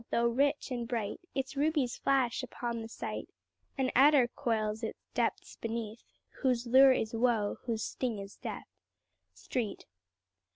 though rich and bright, Its rubies flash upon the sight, An adder coils its depths beneath, Whose lure is woe, whose sting is death." STREET.